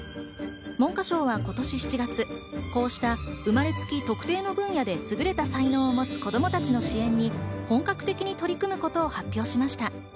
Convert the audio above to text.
文科省は今年７月、こうした、生まれつき特定の分野ですぐれた才能を持つ子供たちの支援に本格的に取り組むことを発表しました。